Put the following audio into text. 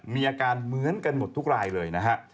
มีอาการเหมือนกันหมดทุกรายเลยนะฮะ